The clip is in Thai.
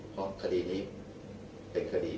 เพราะคดีนี้เป็นคดี